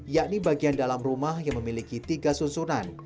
yakni bagian dalam rumah yang memiliki tiga susunan